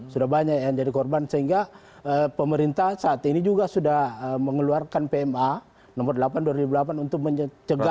sudah banyak yang jadi korban sehingga pemerintah saat ini juga sudah mengeluarkan pma nomor delapan dua ribu delapan untuk mencegah